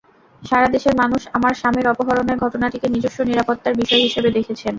সারা দেশের মানুষ আমার স্বামীর অপহরণের ঘটনাটিকে নিজস্ব নিরাপত্তার বিষয় হিসেবে দেখেছেন।